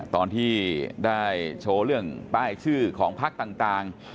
ตอนที่ได้โชว์เรื่องป้ายชื่อของพักต่าง